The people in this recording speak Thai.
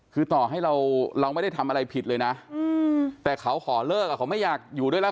คือต่อให้เราเราไม่ได้ทำอะไรผิดเลยนะแต่เขาขอเลิกเขาไม่อยากอยู่ด้วยแล้ว